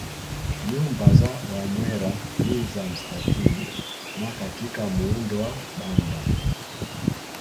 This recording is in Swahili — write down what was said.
Nyumba za Wamwera ni za mstatili na katika muundo wa banda